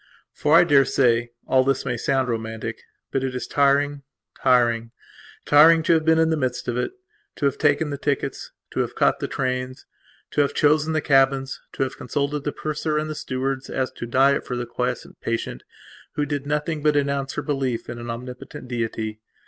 For, I daresay, all this may sound romantic, but it is tiring, tiring, tiring to have been in the midst of it; to have taken the tickets; to have caught the trains; to have chosen the cabins; to have consulted the purser and the stewards as to diet for the quiescent patient who did nothing but announce her belief in an Omnipotent Deity.